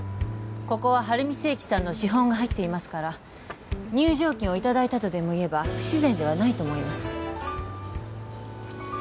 ここは晴海精機さんの資本が入っていますから入場券をいただいたとでも言えば不自然ではないと思います